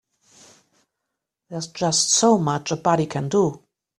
There's just so much a body can do.